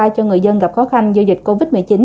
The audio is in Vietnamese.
cho người dân gặp khó khăn do dịch covid một mươi chín